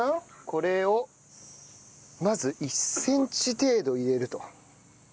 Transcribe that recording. これをまず１センチ程度入れると。